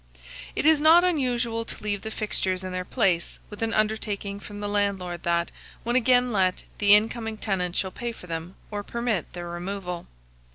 It is not unusual to leave the fixtures in their place, with an undertaking from the landlord that, when again let, the in coming tenant shall pay for them, or permit their removal.